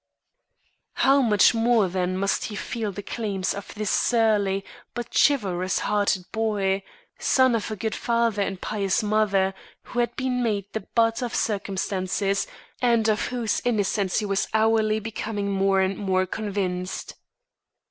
How much more, then, must he feel the claims of this surly but chivalrous hearted boy, son of a good father and pious mother, who had been made the butt of circumstances, and of whose innocence he was hourly becoming more and more convinced.